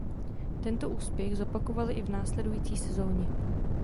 Tento úspěch zopakovali i v následující sezóně.